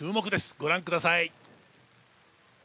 ご覧ください。